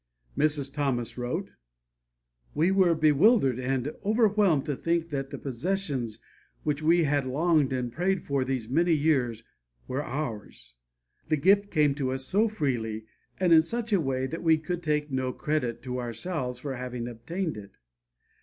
Mrs. Thomas wrote: "We were bewildered and overwhelmed to think that the possessions which we had longed and prayed for these many years were ours. The gift came to us so freely and in such a way that we could take no credit to ourselves for having obtained it.